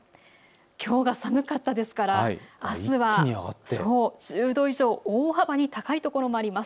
きょうが寒かったですからあすは一気に上がって１０度以上、大幅に高い所もあります。